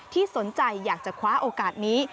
ที่สนใจอยากจะคว้าโอกาสนี้